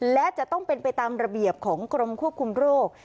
และจะต้องเป็นไปตามระเบียบของกรมควบคุมโรค